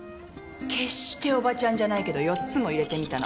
決しておばちゃんじゃないけど４つも入れてみたの。